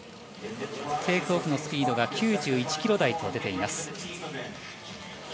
テイクオフのスピードが９１キロ台と出ています。